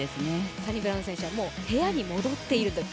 サニブラウン選手はもう部屋に戻っているという。